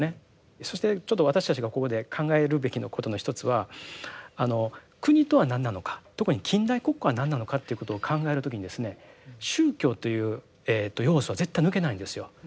そしてちょっと私たちがここで考えるべきことの一つは国とは何なのか特に近代国家は何なのかっていうことを考える時に宗教という要素は絶対抜けないんですよ。